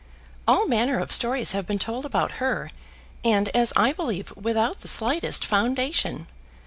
"All manner of stories have been told about her, and, as I believe, without the slightest foundation.